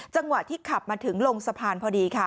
จังหวะที่ขับมาถึงลงสะพานพอดีค่ะ